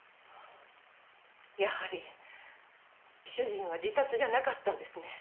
やはり主人は自殺じゃなかったんですね。